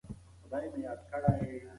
دا حرکت وخت نه نیسي.